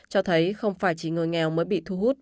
cho thấy không phải chỉ người nghèo mới bị thu hút